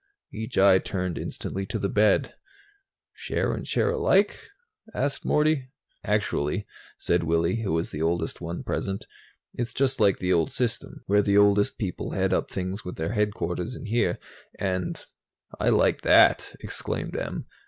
Each eye turned instantly to the bed. "Share and share alike?" asked Morty. "Actually," said Willy, who was the oldest one present, "it's just like the old system, where the oldest people head up things with their headquarters in here and " "I like that!" exclaimed Em.